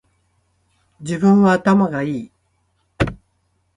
自分は頭がいい